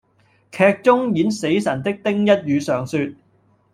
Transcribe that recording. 劇中飾演死神的丁一宇常說